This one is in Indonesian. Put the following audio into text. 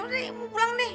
udah mau pulang deh